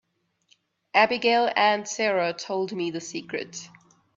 Abigail and Sara told me the secret.